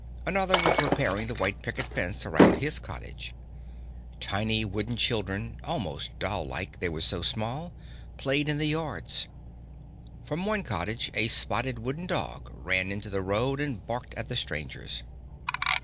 Another was repairing the white picket fence around his cottage. Tiny wooden children, almost doll like they were so small, played in the yards. From one cottage a spotted wooden dog ran into the road and barked at the strangers.